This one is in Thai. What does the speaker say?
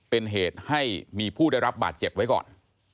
เป็นเหตุให้มีผู้ได้รับบาดเจ็บไว้ก่อน